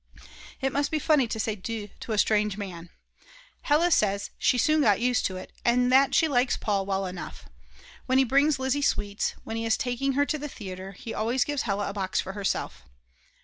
It must be funny to say "Du" to a strange man. Hella says she soon got used to it, and that she likes Paul well enough. When he brings Lizzi sweets, when he is taking her to the theatre, he always gives Hella a box for herself.